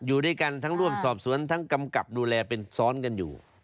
อยู่ด้วยกันทั้งร่วมสอบสวนทั้งกำกับดูแลเป็นซ้อนกันอยู่